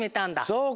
そうか。